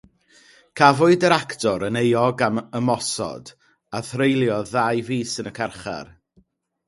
Cafwyd yr actor yn euog am ymosod a threuliodd ddau fis yn y carchar.